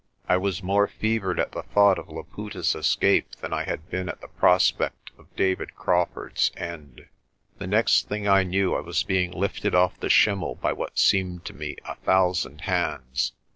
I was more fevered at the thought of Laputa's escape than I had been at the prospect of David Crawfurd's end. The next thing I knew I was being lifted off the schimmel by what seemed to me a thousand hands.